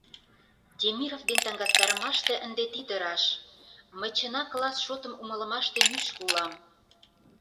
Темиров дене таҥастарымаште ынде тиде раш: мый чынак класс шотым умылымаште нӱшкӧ улам.